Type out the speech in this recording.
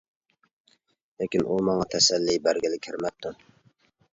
لېكىن ئۇ ماڭا تەسەللى بەرگىلى كىرمەپتۇ.